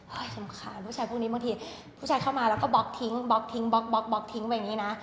เฮ้ยสำคัญผู้ชายพวกนี้บางทีผู้ชายเข้ามาแล้วก็บล็อกทิ้งบล็อกทิ้งบล็อกบล็อกบล็อกทิ้งแบบอย่างเงี้ยนะ